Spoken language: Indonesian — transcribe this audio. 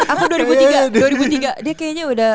aku dua ribu tiga dia kayaknya udah